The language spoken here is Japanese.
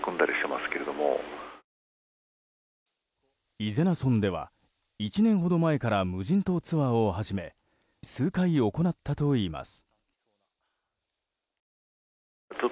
伊是名村では１年ほど前から無人島ツアーを始め数回、行ったといいます。